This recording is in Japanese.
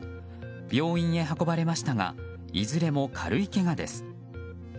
病院へ運ばれましたがいずれも軽いけがです。